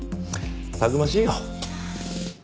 たくましいよ。